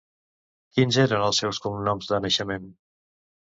Quins eren els seus cognoms de naixement?